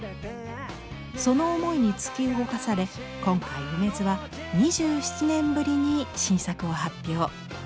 その思いに突き動かされ今回楳図は２７年ぶりに新作を発表。